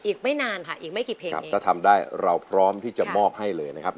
อีกไม่นานค่ะอีกไม่กี่เพลงครับถ้าทำได้เราพร้อมที่จะมอบให้เลยนะครับ